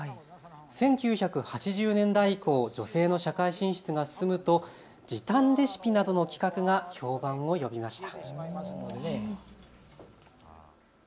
１９８０年代以降、女性の社会進出が進むと時短レシピなどの企画が評判を呼びました。